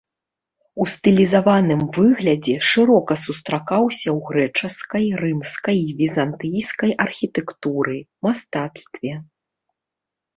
У стылізаваным выглядзе шырока сустракаўся ў грэчаскай, рымскай і візантыйскай архітэктуры, мастацтве.